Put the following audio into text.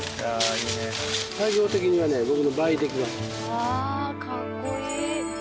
うわあかっこいい！